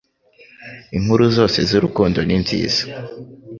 Inkuru zose z'urukundo ni nziza